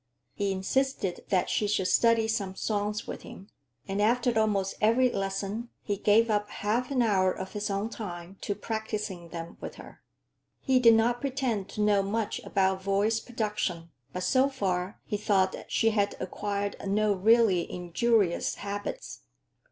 He insisted that she should study some songs with him, and after almost every lesson he gave up half an hour of his own time to practicing them with her. He did not pretend to know much about voice production, but so far, he thought, she had acquired no really injurious habits.